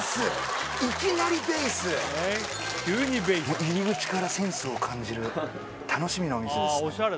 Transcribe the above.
もう入り口からセンスを感じる楽しみなお店です